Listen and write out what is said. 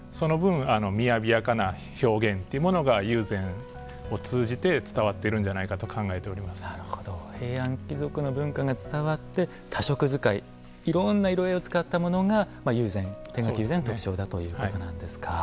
みやびやかな表現というものが友禅を通じて伝わっているんじゃないかなと平安貴族の文化が伝わって多色使いいろんな色合いを使ったものが友禅、手描き友禅の特徴だということなんですか。